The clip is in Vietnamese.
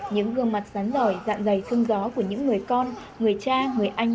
những gương mặt sán giỏi dạng dày thương gió của những người con người cha người anh